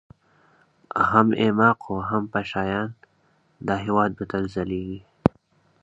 هم ايـــماق و هم پـــشــه یــــیــان، دا هـــیــواد به تــل ځلــــــیــــږي